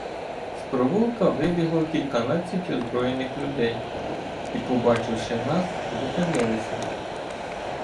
З провулка вибігло кільканадцять озброєних людей і, побачивши нас, зупинилися.